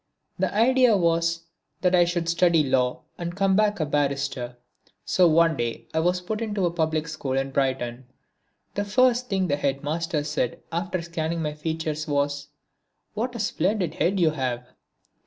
The idea was that I should study Law and come back a barrister. So one day I was put into a public school in Brighton. The first thing the Headmaster said after scanning my features was: "What a splendid head you have!"